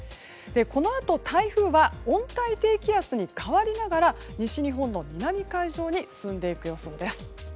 このあと、台風は温帯低気圧に変わりながら西日本の南海上に進んでいくようそうです。